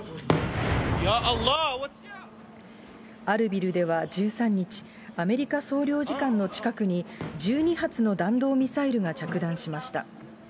アルビルでは１３日、アメリカ総領事館の近くに、１２発の弾道ミサイルが着弾しました。